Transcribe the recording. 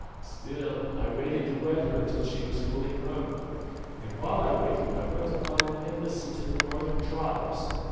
Still I waited to wed her till she was fully grown; and while I waited I went upon an embassy to the northern tribes.